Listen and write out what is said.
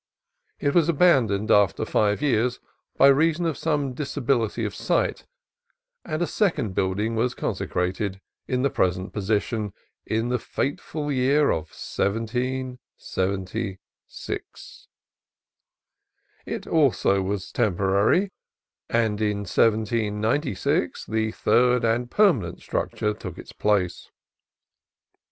It was abandoned after five years, by reason of some dis ability of site, and a second building was consecrated, in the present position, in the fateful year of 1776. It, also, was temporary, and in 1796 the third and permanent structure took its place.